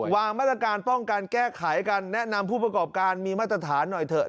วางมาตรการป้องกันแก้ไขกันแนะนำผู้ประกอบการมีมาตรฐานหน่อยเถอะ